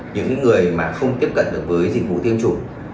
những người mà không tiếp cận được với dịch vụ tiêm chủng